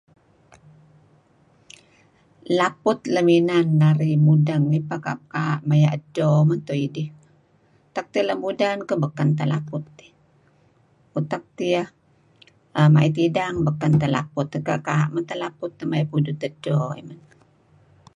Laput lem inan narih mudengdih kaa'-kaa' maya' edto meto' idih. Tak iyah la' mudan beken teh laput eh. Utak iyah ma'it idang beken teh laput. Kaa' -kaa' meto laput maya' pudut edto men.